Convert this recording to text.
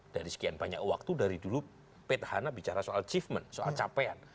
dari sekian banyak waktu dari dulu petahana bicara soal achievement soal capaian